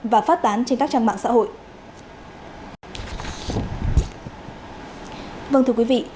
và phát tán trên các trang mạng xã hội